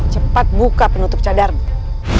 cepat buka penutup cadarmu